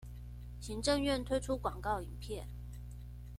行政院推出廣告影片